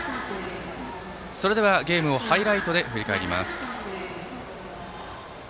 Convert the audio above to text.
それではゲームをハイライトで振り返ります。